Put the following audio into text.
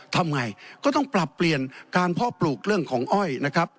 ทำไงก็ต้องปรับเปลี่ยนการเพาะปลูกเรื่องของอ้อยนะครับ